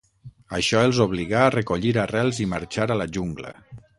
Això els obligà a recollir arrels i marxar a la jungla.